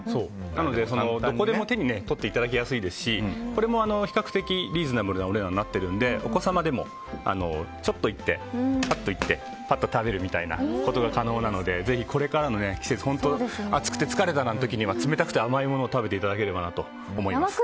なので、どこでも手に取っていただきやすいですしこれも比較的リーズナブルなお値段になっていますのでお子様でもちょっと行って食べるみたいなことが可能なので、ぜひこれからの季節本当、暑くて疲れた時には冷たくて甘いものを食べていただければと思います。